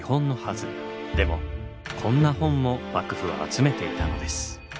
でもこんな本も幕府は集めていたのです。